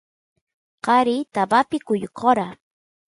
qari tabapi kuyukora